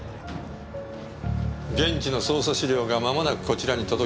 現地の捜査資料がまもなくこちらに届きます。